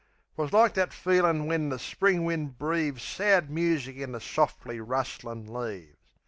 'Twas like that feelin' when the Spring wind breaves Sad music in the sof'ly rustlin' leaves.